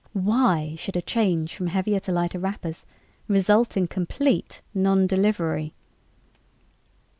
Why should a change from heavier to lighter wrappers result in complete non delivery?"